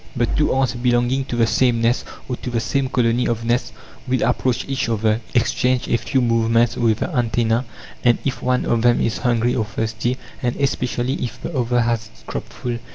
But two ants belonging to the same nest or to the same colony of nests will approach each other, exchange a few movements with the antennae, and "if one of them is hungry or thirsty, and especially if the other has its crop full